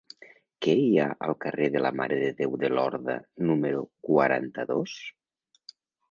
Què hi ha al carrer de la Mare de Déu de Lorda número quaranta-dos?